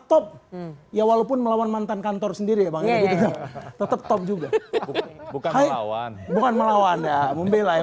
top ya walaupun melawan mantan kantor sendiri ya bang tetep top juga bukan melawan ya membelai